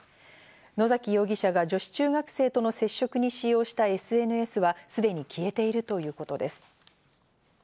野崎容疑者が女子中学生との接触に使用したＳＮＳは、すでに消えているということです。